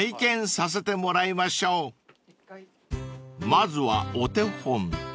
［まずはお手本］